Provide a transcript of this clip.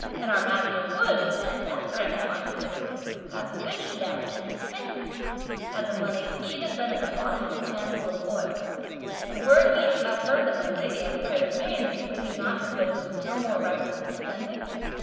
And our master would, with that frame of mind of his, have fished it out and spent it, had the money even been at the bottom of a pan full of oil! and were he to have heard that my lady had private means, would he not have been still more reckless in spending?